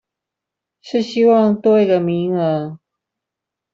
是希望多一個名額